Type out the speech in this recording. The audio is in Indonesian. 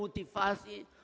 untuk mengembangkan bangsa ini